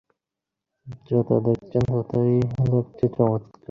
ওকে ভয় করি বলেই মন থেকে সরাতে পারি নে।